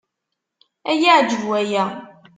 Ad iyi-εǧeb waya.